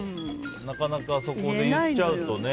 なかなかそこで言っちゃうとね。